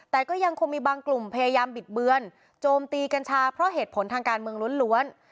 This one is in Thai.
แต่ก็ยังคงมีบางกลุ่มพยายามบิดเบือนโจมตีกัญชาเพราะเหตุผลทางการเมืองล้วน